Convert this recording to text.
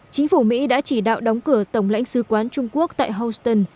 chính phủ mỹ đã chỉ đạo đóng cửa tổng lãnh sứ quán trung quốc tại houston